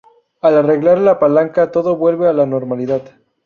Al arreglar la palanca, todo vuelve a la normalidad.